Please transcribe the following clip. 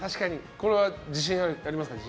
これは自信ありますか？